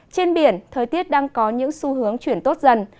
trên biển thời tiết đang có những xu hướng chuyển tốt dần